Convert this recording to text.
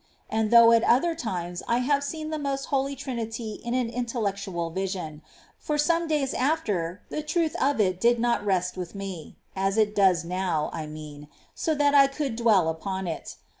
And though at other times I have seen the most Holy Trinity in an intellectual vision, for some days after the truth of it did not rest with me, — as it does now, I mean, — so that I could dwell upon it.